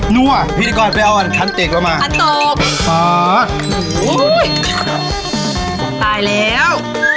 นั่วพิธีกรไปเอาอันขั้นเต็กเรามาขั้นตกอ๋ออุ้ยตายแล้ว